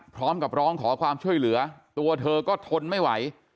พร้อมกับร้องขอความช่วยเหลือตัวเธอก็ทนไม่ไหว